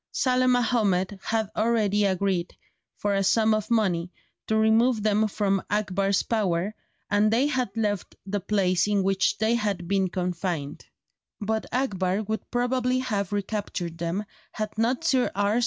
Saleh Mahomed had already agreed, for a sum of money, to remove them from Akbar's power, and they had left the place in which they had been confined; but Akbar would probably have recaptured them had not Sir R.